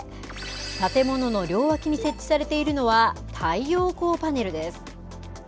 建物の両脇に設置されているのは、太陽光パネルです。